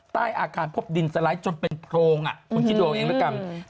ใต้อาคารพบดินสลายจนเป็นโพงอ่ะคุณคิดดูเองด้วยกัน